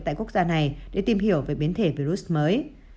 tại quốc gia này để tìm hiểu về biến thể virus mới